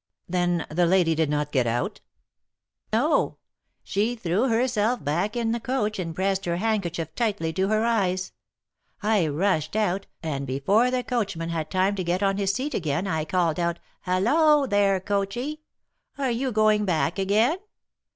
"Then the lady did not get out?" "No! she threw herself back in the coach and pressed her handkerchief tightly to her eyes. I rushed out, and before the coachman had time to get on his seat again, I called out, 'Hallo, there, coachy! are you going back again?'